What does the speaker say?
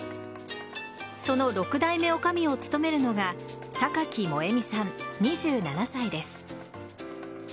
その６代目女将を務めるのが榊萌美さん、２７歳です。